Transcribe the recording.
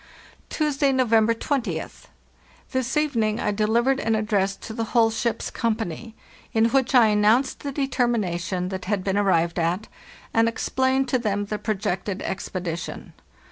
"Tuesday, November 20th. This evening I delivered an address to the whole ship's company, in which I an nounced the determination that had been arrived at, and explained to them the projected expedition.